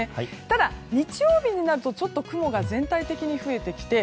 ただ、日曜日になるとちょっと雲が全体的に増えてきて